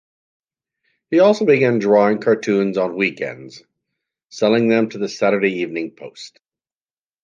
He also began drawing cartoons on weekends, selling them to The Saturday Evening Post.